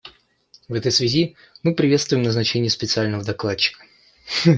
В этой связи мы приветствуем назначение специального докладчика.